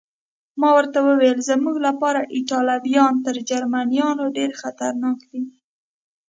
ما ورته وویل: زموږ لپاره ایټالویان تر جرمنیانو ډېر خطرناک دي.